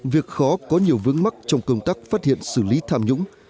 việc khó có nhiều vướng mắc trong công tác phát hiện xử lý thảm nhũng